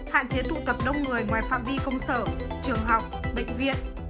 hạn chế tụ tập đông người ngoài phạm vi công sở trường học bệnh viện